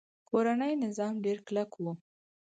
کورنۍ نظام ډیر کلک و